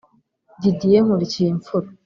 Didier Nkurikiyimfura